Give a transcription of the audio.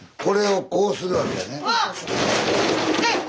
これをこうするわけやね。